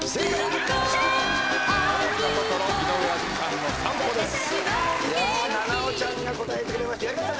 いや菜々緒ちゃんが答えてくれました。